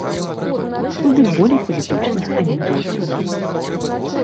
Куды болей палітычных анекдотаў.